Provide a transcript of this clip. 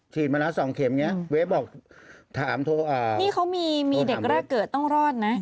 มาแล้วสองเข็มเนี้ยเวฟบอกถามโทรอ่านี่เขามีมีเด็กแรกเกิดต้องรอดนะ